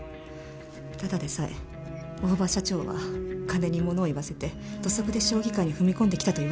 ただでさえ大庭社長は金に物を言わせて土足で将棋界に踏み込んできたと言われました。